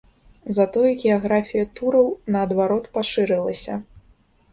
Затое геаграфія тураў наадварот пашырылася.